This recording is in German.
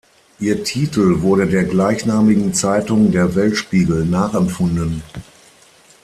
Ihr Titel wurde der gleichnamigen Zeitung "Der Weltspiegel" nachempfunden.